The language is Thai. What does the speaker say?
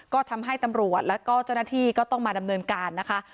ก็ทำให้ตำรวจแล้วก็เจ้าหน้าที่ก็ต้องมาดำเนินการนะคะ